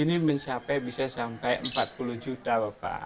ini bisa sampai empat puluh juta bapak